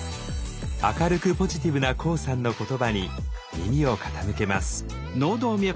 明るくポジティブなＫＯＯさんの言葉に耳を傾けます。